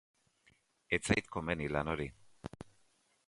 Ez zait komeni lan hori.